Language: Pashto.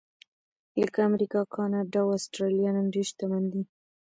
لکه امریکا، کاناډا او اسټرالیا نن ډېر شتمن دي.